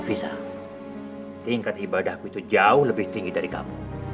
bisa tingkat ibadahku itu jauh lebih tinggi dari kamu